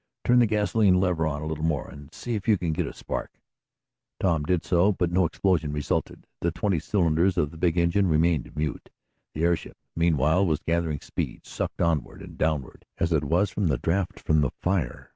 Turn the gasolene lever on a little more, and see if you can get a spark." Tom did so, but no explosion resulted. The twenty cylinders of the big engine remained mute. The airship, meanwhile, was gathering speed, sucked onward and downward as it was by the draught from the fire.